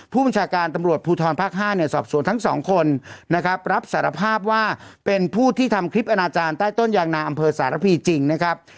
ผู้บัญชาการตำรวจภูทรภาค๕เนี่ยสอบสวนทั้งสองคนนะครับรับสารภาพว่าเป็นผู้ที่ทำคลิปอนาจารย์ใต้ต้นยางนาอำเภอสารพีจริงนะครับ